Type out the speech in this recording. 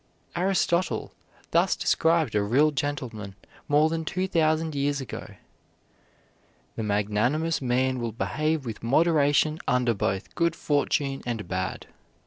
Aristotle thus described a real gentleman more than two thousand years ago: "The magnanimous man will behave with moderation under both good fortune and bad.